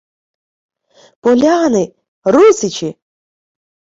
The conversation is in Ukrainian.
— Поляни! Русичі!..